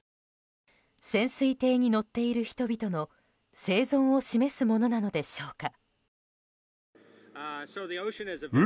潜水艇に乗っている人々の生存を示すものなのでしょうか。